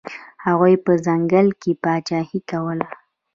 هغوی په ځنګل کې پاچاهي کوله.